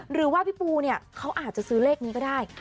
หรือว่าพี่ปูเนี่ยเขาอาจจะซื้อเลขนี้ก็ได้